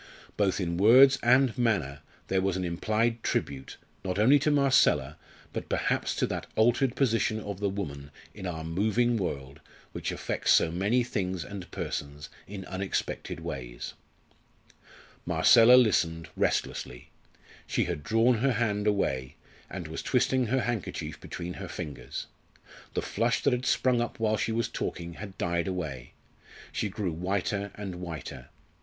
Both in words and manner there was an implied tribute, not only to Marcella, but perhaps to that altered position of the woman in our moving world which affects so many things and persons in unexpected ways. Marcella listened, restlessly. She had drawn her hand away, and was twisting her handkerchief between her fingers. The flush that had sprung up while she was talking had died away. She grew whiter and whiter.